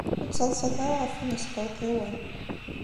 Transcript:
Ur ttaḍsat ara ɣef win yesqewqiwen.